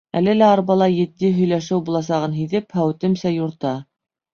Әле лә арбала етди һөйләшеү буласағын һиҙеп, һәүетемсә юрта.